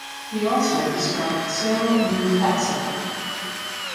He also described several new taxa.